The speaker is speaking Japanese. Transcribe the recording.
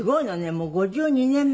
もう５２年前？